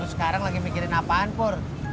lu sekarang lagi mikirin apaan pur